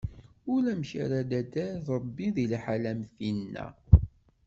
Ulamek ara d-tader Ṛebbi di liḥala am tinna.